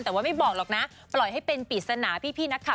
แต่ว่าไม่บอกหรอกนะปล่อยให้เป็นปริศนาพี่นักข่าว